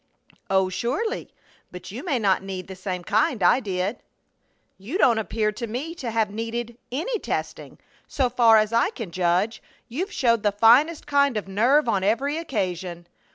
"Oh, surely, but you may not need the same kind I did." "You don't appear to me to have needed any testing. So far as I can judge, you've showed the finest kind of nerve on every occasion."